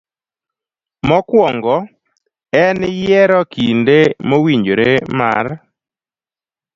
Mokwongo, en yiero kinde mowinjore mar